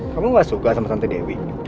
kamu gak suka sama tante dewi